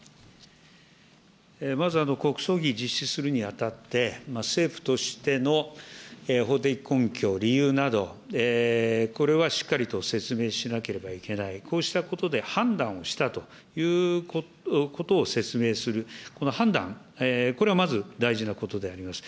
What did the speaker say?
まず国葬儀、実施するにあたって、政府としての法的根拠、理由など、これはしっかりと説明しなければいけない、こうしたことで判断をしたということを説明する、この判断、これはまず大事なことであります。